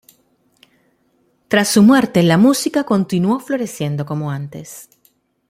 Tras su muerte la música continuó floreciendo como antes.